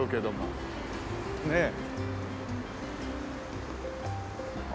ねえ。